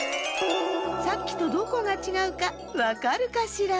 さっきとどこがちがうかわかるかしら？